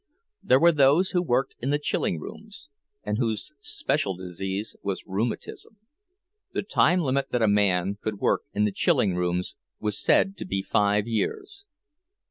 There were those who worked in the chilling rooms, and whose special disease was rheumatism; the time limit that a man could work in the chilling rooms was said to be five years.